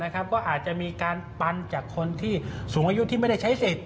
ก็อาจจะมีการปันจากคนที่สูงอายุที่ไม่ได้ใช้สิทธิ